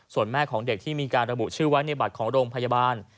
ส่วนแม่ของเด็กที่มีการระบุชื่อไว้ในบัตรของโรงพยาบาล